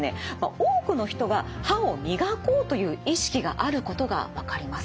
多くの人が歯を磨こうという意識があることが分かります。